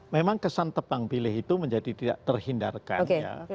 memang kesan tebang pilih itu menjadi tidak terhindarkan ya